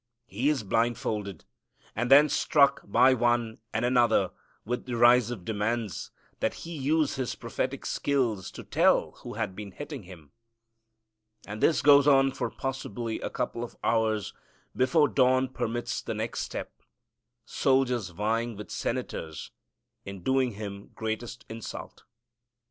He is blind folded, and then struck by one and another with derisive demands that He use His prophetic skill to tell who had been hitting Him. And this goes on for possibly a couple of hours before dawn permits the next step, soldiers vying with senators in doing Him greatest insult.